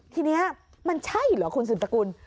ทีนี้มันใช่หรือคุณสุรประกุล